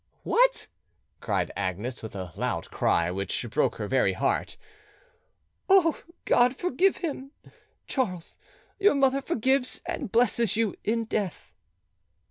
"What!" cried Agnes, with a loud cry, which broke her very heart. "O God, forgive him! Charles, your mother forgives and blesses you in death."